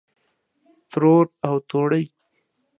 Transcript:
ترور او توړۍ